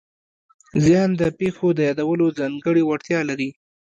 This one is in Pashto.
ذهن د پېښو د یادولو ځانګړې وړتیا لري.